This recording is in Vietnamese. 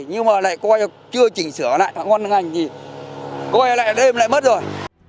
nhưng mà lại coi chưa chỉnh sửa lại ngon ngành thì coi lại đêm lại mất rồi